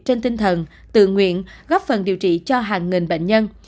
trên tinh thần tự nguyện góp phần điều trị cho hàng nghìn bệnh nhân